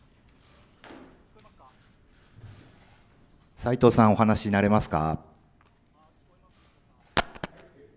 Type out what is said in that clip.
さいとうさん、お話になれますか。